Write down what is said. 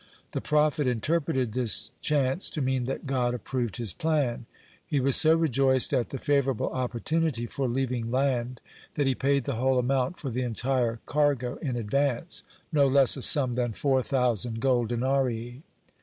The prophet interpreted this chance to mean that God approved his plan. He was so rejoiced at the favorable opportunity for leaving land that he paid the whole amount for the entire cargo in advance, no less a sum than four thousand gold denarii.